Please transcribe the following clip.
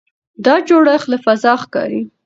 دا جوړښت له فضا ښکاري.